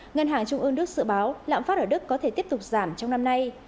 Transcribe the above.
ngân hàng trung ương đức dự báo lãm phát ở đức có thể tiếp tục giảm trong năm nay